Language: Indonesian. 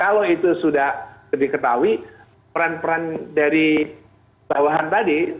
kalau itu sudah diketahui peran peran dari bawahan tadi